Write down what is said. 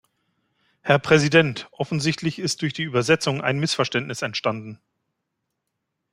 Herr Präsident, offensichtlich ist durch die Übersetzung ein Missverständnis entstanden.